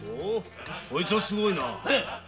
こいつはすごい。